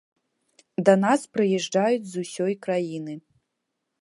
Да нас прыязджаюць з усёй краіны.